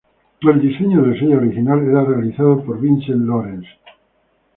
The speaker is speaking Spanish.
El diseño del sello original era realizado por Vince Lawrence.